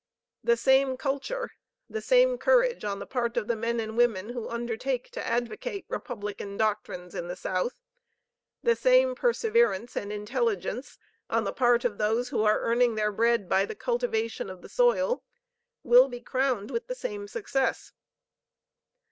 The same culture the same courage on the part of the men and women who undertake to advocate Republican doctrines in the South the same perseverance and intelligence on the part of those who are earning their bread by the cultivation of the soil, will be crowned with the same success.